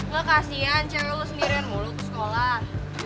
gak kasihan cewe lu sendiri yang mau lu ke sekolah